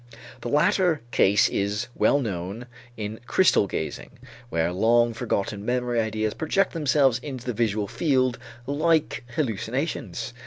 The latter case is well known in crystal gazing, where long forgotten memory ideas project themselves into the visual field like hallucinations.